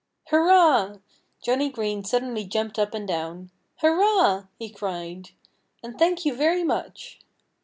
"Hurrah!" Johnnie Green suddenly jumped up and down. "Hurrah!" he cried. "And thank you very much!"